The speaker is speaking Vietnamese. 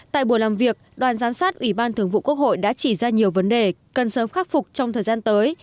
tại buổi làm việc đoàn giám sát ủy ban thường vụ quốc hội đã chỉ ra nhiều vấn đề cần sớm khắc phục trong thời gian tới